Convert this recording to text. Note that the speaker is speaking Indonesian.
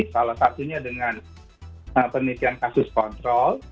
salah satunya dengan penelitian kasus kontrol